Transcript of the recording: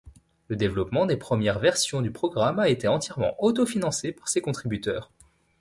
Le développement des premières versions du programme a été entièrement auto-financée par ses contributeurs.